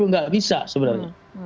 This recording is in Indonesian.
tidak bisa sebenarnya